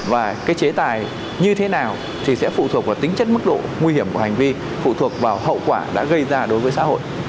và cái chế tài như thế nào thì sẽ phụ thuộc vào tính chất mức độ nguy hiểm của hành vi phụ thuộc vào hậu quả đã gây ra đối với xã hội